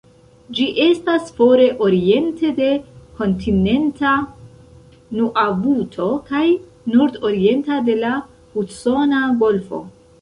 Ĝi estas fore oriente de kontinenta Nunavuto, kaj nordorienta de la Hudsona Golfo.